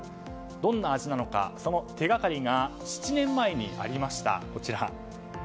どんな味なのか、その手掛かりが７年前にありました。